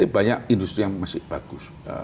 banyak industri yang masih bagus